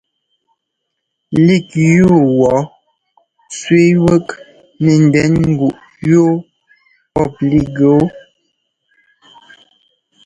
Lík yú wɔ̌ sẅíi wɛ́k nɛ ndɛn ŋgúꞌ wú pɔ́p lík yu.